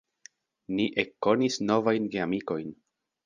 Ni ekkonis novajn geamikojn.